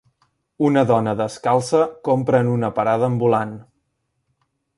Una dona descalça compra en una parada ambulant